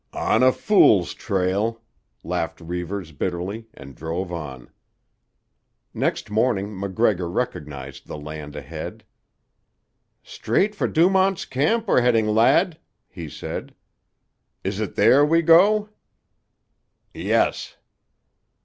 "On a fool's trail," laughed Reivers bitterly, and drove on. Next morning MacGregor recognised the land ahead. "Straight for Dumont's Camp we're heading, lad," he said. "Is it there we go?" "Yes."